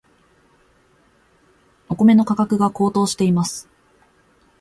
お米の価格が高騰しています。